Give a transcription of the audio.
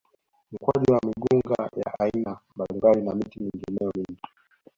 Mkwaju na migunga ya aina mbalimbali na miti mingineyo mingi